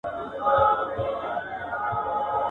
خراپه ښځه د بل ده.